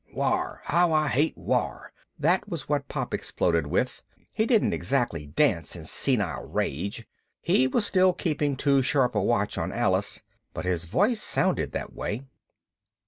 "War! How I hate war!" that was what Pop exploded with. He didn't exactly dance in senile rage he was still keeping too sharp a watch on Alice but his voice sounded that way.